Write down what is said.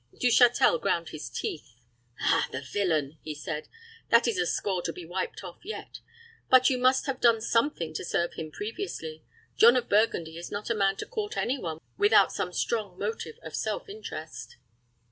Du Châtel ground his teeth. "Ah, the villain," he said. "That is a score to be wiped off yet. But you must have done something to serve him previously. John of Burgundy is not a man to court any one without some strong motive of self interest."